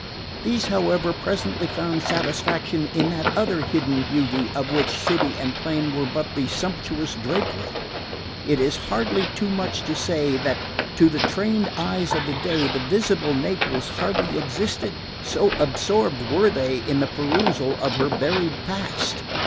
These, however, presently found satisfaction in that other hidden beauty of which city and plain were but the sumptuous drapery. It is hardly too much to say that to the trained eyes of the day the visible Naples hardly existed, so absorbed were they in the perusal of her buried past.